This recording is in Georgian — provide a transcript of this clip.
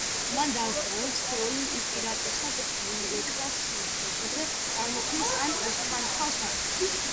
მან დაასკვნა, რომ სხეული უპირატესად აირეკლავს სინათლეს, ვიდრე წარმოქმნის ან შთანთქავს მას.